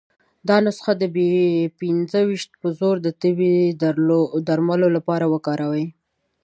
دا نسخه د بي پنځه ویشت په زور د تبې درملو لپاره وکاروي.